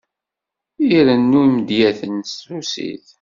Irennu imedyaten s trusit.